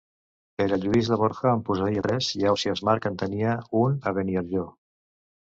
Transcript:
Pere Lluís de Borja en posseïa tres, i Ausiàs March en tenia un a Beniarjó.